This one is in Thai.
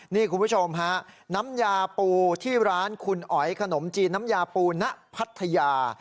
นี่คุณผู้ชมฮะน้ำยาปูที่ร้านคุณอ๋อยขนมจีนน้ำยาปูณพัทยา